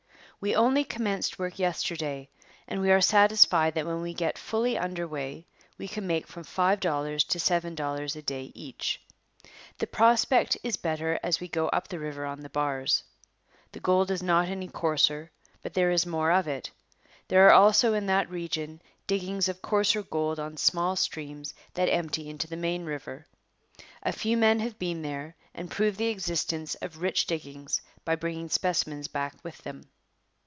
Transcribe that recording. We only commenced work yesterday and we are satisfied that when we get fully under way we can make from five dollars to seven dollars a day each. The prospect is better as we go up the river on the bars. The gold is not any coarser, but there is more of it. There are also in that region diggings of coarser gold on small streams that empty into the main river. A few men have been there and proved the existence of rich diggings by bringing specimens back with them.